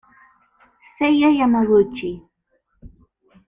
Seiya Yamaguchi